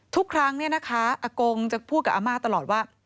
ทุกครั้งเนี่ยนะคะอากงจะพูดกับอาม่าตลอดว่า